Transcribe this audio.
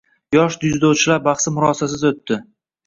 Yosh dzyudochilar bahsi murosasiz o‘tdi